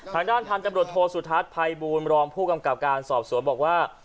ทางด้านพันธุ์ตำรวจโทษสุทัศน์ภัยบูรณรองผู้กำกับการสอบสวนบอกว่า